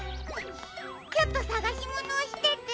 ちょっとさがしものをしてて・。